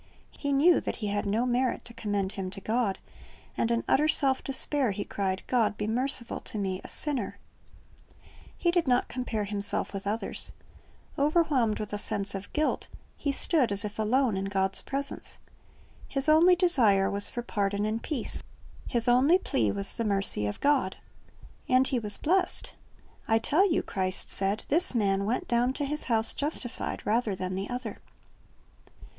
He knew that he had no merit to commend him to God, and in utter self despair he cried, "God be merciful to me, a sinner." He did not compare himself with others, 152 Christ's Object Lessons Overwhelmed with a sense of guilt, he stood as if alone in God's presence. His only desire was for pardon and peace, his only plea was the mercy of God. And he was blessed. "I tell you," Christ said, "this man went down to his house justified rather than the other."